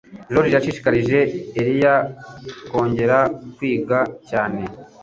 Joriji yashishikarije Ellie kongera kwiga cyane.